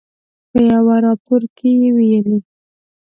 په یوه راپور کې ویلي